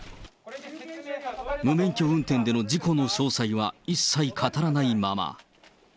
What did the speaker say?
無免許運転での事故の詳細は一切語らないまま。